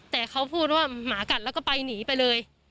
แต่เขาพูดว่าหมากัดแล้วก็ไปหนีไปเลย